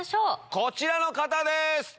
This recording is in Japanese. こちらの方です！